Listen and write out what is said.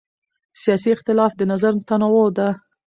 سیاسي اختلاف د نظر تنوع ده